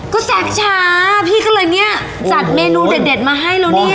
ก็แซคช้าพี่ก็เลยเนี่ยจัดเมนูเด็ดมาให้แล้วเนี่ย